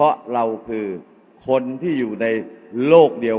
อย่าให้ลุงตู่สู้คนเดียว